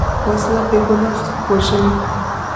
وسله بېګناه خلک وژلي